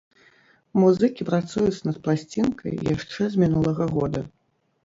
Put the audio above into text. Музыкі працуюць над пласцінкай яшчэ з мінулага года.